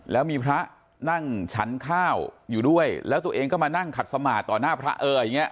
แล้วมีพระนั่งฉันข้าวอยู่ด้วยแล้วตัวเองก็มานั่งขัดสมาธิต่อหน้าพระเอออย่างนี้